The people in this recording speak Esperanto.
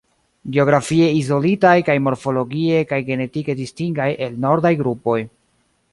Geografie izolitaj kaj morfologie kaj genetike distingaj el nordaj grupoj.